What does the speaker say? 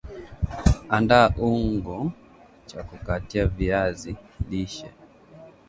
andaa ungo cha kukatia viazi lishe